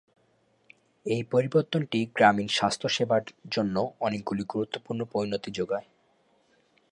এই পরিবর্তনটি গ্রামীণ স্বাস্থ্যসেবার জন্য অনেকগুলি গুরুত্বপূর্ণ পরিণতি জোগায়।